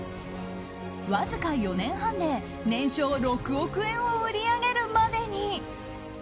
わずか４年半で年商６億円を売り上げるまでに。